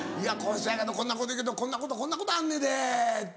「こんなこと言うけどこんなことこんなことあんねんで」って。